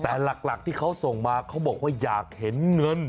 แต่หลักที่เขาส่งมาเขาบอกว่าอยากเห็นเงิน